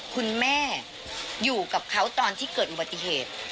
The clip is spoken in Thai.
คุณแม่อยู่กับเขาตอนที่เกิดอุบัติเหตุ